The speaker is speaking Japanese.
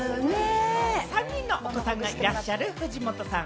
３人のお子さんがいらっしゃる藤本さん。